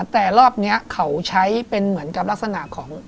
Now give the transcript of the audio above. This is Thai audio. แต่รอบนี้เขาใช้เป็นเหมือนกับลักษณะของ